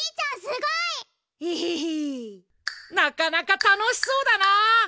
なかなか楽しそうだな！